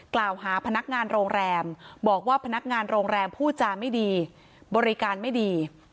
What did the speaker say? พนักงานโรงแรมบอกว่าพนักงานโรงแรมพูดจาไม่ดีบริการไม่ดี